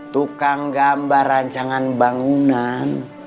tukang gambar rancangan bangunan